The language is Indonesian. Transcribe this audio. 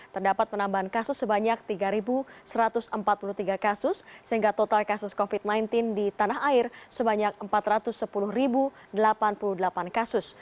terdapat penambahan kasus sebanyak tiga satu ratus empat puluh tiga kasus sehingga total kasus covid sembilan belas di tanah air sebanyak empat ratus sepuluh delapan puluh delapan kasus